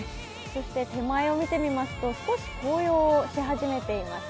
そして手前を見てみますと、少し紅葉を始めています。